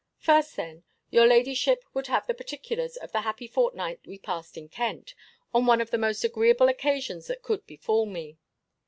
First, then, your ladyship would have the particulars of the happy fortnight we passed in Kent, on one of the most agreeable occasions that could befall me.